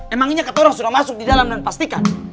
emangnya keturang sudah masuk di dalam dan pastikan